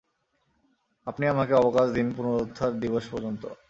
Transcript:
আপনি আমাকে অবকাশ দিন পুনরুত্থান দিবস পর্যন্ত।